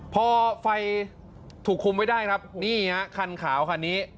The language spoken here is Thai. พอไฟถูกคุมไว้ได้ครับนี่ฮะคันขาวคันนี้